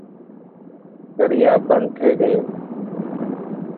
دريا بند ٿي گيو.